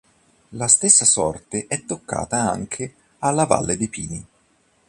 La stessa sorte è toccata anche a "La valle dei pini".